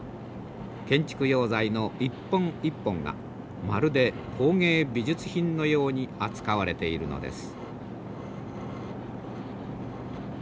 建築用材の一本一本がまるで工芸美術品のように扱われているのです。